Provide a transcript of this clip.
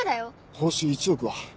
報酬１億は？